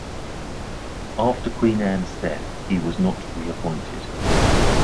After Queen Anne's death he was not reappointed.